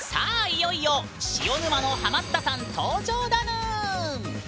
いよいよ「塩沼」のハマったさん登場だぬん！